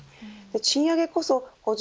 賃上げこそ個人